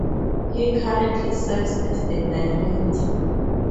He currently serves as the Director.